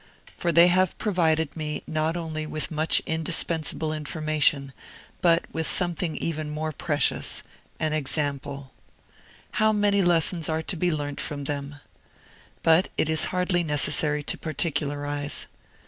For they have provided me not only with much indispensable information, but with something even more precious an example. How many lessons are to be learned from them! But it is hardly necessary to particularise.